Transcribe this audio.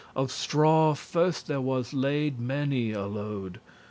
Of straw first there was laid many a load.